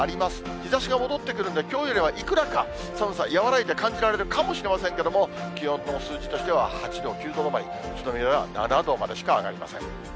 日ざしが戻ってくるんで、きょうよりはいくらか寒さ、和らいで感じられるかもしれませんけども、気温の数値としては８度、９度止まり、宇都宮は７度までしか上がりません。